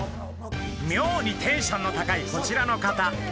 みょうにテンションの高いこちらの方